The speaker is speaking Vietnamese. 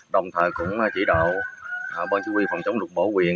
đồng thời cũng chỉ đạo bọn chú huy phòng chống lục bổ quyền